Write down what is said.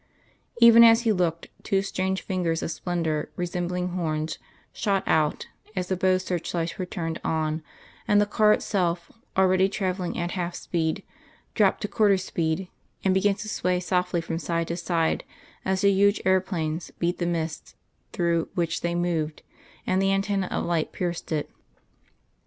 Even as he looked, two straight fingers of splendour, resembling horns, shot out, as the bow searchlights were turned on; and the car itself, already travelling at half speed, dropped to quarter speed, and began to sway softly from side to side as the huge air planes beat the mist through which they moved, and the antennae of light pierced it.